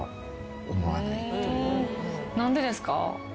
何でですか？